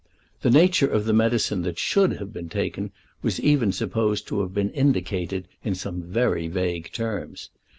The nature of the medicine that should have been taken was even supposed to have been indicated in some very vague terms.